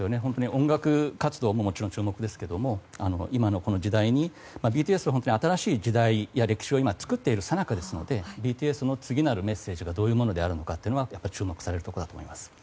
音楽活動も注目ですけど今の、この時代にＢＴＳは本当に、新しい時代や歴史を今作っているさなかですのでＢＴＳの次なるメッセージがどういうものであるのかが注目されるところだと思います。